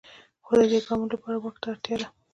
خو د دې ګامونو لپاره واک ته اړتیا ده.